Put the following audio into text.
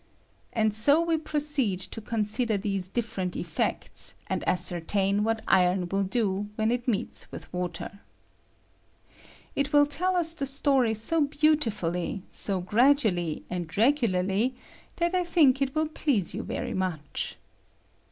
And ao we proceed to consider these different effects, and ascertain what iron ^H 80 ACTION OP IRON ON STEAM. ■will do when it meeta with water. It will teD US the story so beautifully, so gradually and regularly, that I think it will please you very much.